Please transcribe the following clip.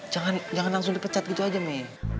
jangan jangan langsung dipecat gitu aja mi